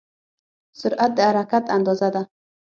سرعت د حرکت اندازه ده.